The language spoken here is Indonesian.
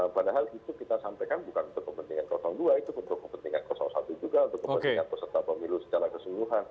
padahal itu kita sampaikan bukan untuk kepentingan dua itu untuk kepentingan satu juga untuk kepentingan peserta pemilu secara keseluruhan